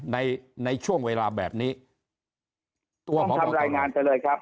ในในช่วงเวลาแบบนี้ตัวผมทำรายงานไปเลยครับ